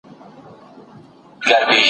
سپین اغوستي لکه بطه غوندي ښکلی